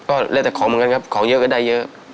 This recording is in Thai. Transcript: ก็แล้วแต่ของเหมือนกันครับของเยอะก็ได้เยอะ